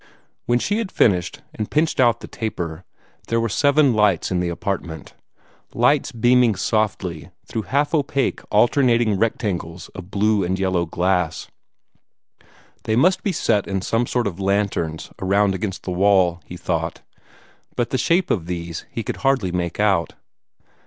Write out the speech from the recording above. When she had finished, and pinched out the taper, there were seven lights in the apartment lights beaming softly through half opaque alternating rectangles of blue and yellow glass. They must be set in some sort of lanterns around against the wall, he thought, but the shape of these he could hardly make out.